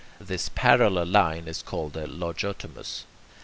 This parallel line is called the Logotomus.